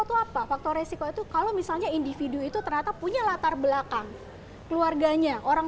ke son balconal ketu kalau misalnya individu itu ternyata punya latar belakang keluarganya orang